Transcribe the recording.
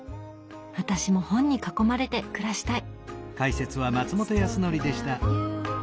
私も本に囲まれて暮らしたい！